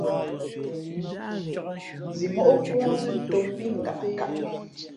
Zimóʼ pōōnzʉ̌ ntōm mbí ngaʼkaʼ.